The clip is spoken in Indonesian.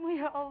dua hari lagi